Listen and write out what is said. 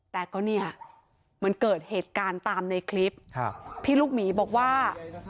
แต่ก็เหมือนเกิดเหตุการณ์ตามในคลิปพี่ลูกหมีบอกว่า